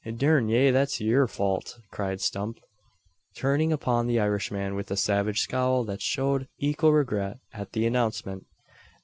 "Durn ye, that's yur fault," cried Stump, turning upon the Irishman with a savage scowl that showed equal regret at the announcement.